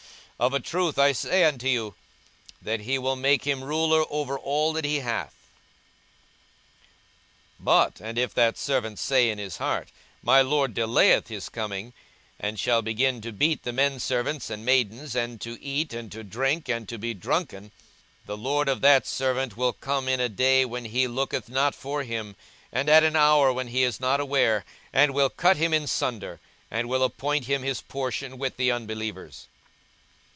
42:012:044 Of a truth I say unto you, that he will make him ruler over all that he hath. 42:012:045 But and if that servant say in his heart, My lord delayeth his coming; and shall begin to beat the menservants and maidens, and to eat and drink, and to be drunken; 42:012:046 The lord of that servant will come in a day when he looketh not for him, and at an hour when he is not aware, and will cut him in sunder, and will appoint him his portion with the unbelievers.